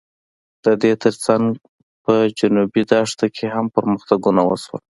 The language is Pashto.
د دې تر څنګ په جنوبي دښته کې هم پرمختګونه وشول.